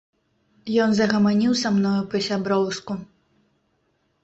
Ён загаманіў са мною па-сяброўску.